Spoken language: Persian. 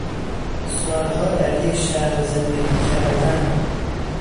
سالها در یک شهر زندگی کردن